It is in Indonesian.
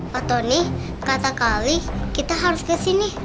pak tony kata kali kita harus kesini